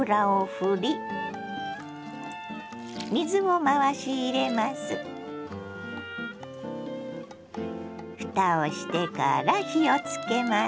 ふたをしてから火をつけます。